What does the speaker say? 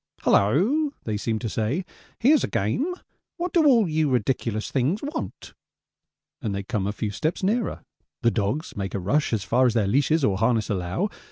'Hulloa,' they seem to say, 'here's a game what do all you ridiculous things want?' And they come a few steps nearer. The dogs make a rush as far as their leashes or harness allow.